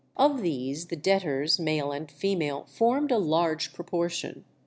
Of these the debtors, male and female, formed a large proportion.